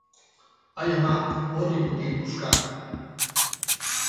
Ai ama, hori mutil puska!